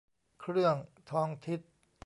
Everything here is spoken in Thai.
เครื่องทองทิศ